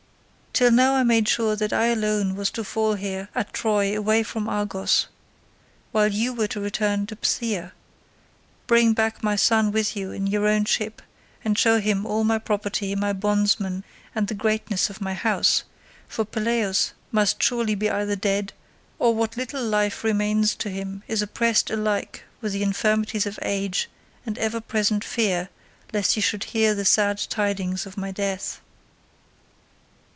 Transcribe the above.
Till now I made sure that I alone was to fall here at Troy away from Argos, while you were to return to Phthia, bring back my son with you in your own ship, and show him all my property, my bondsmen, and the greatness of my house—for Peleus must surely be either dead, or what little life remains to him is oppressed alike with the infirmities of age and ever present fear lest he should hear the sad tidings of my death."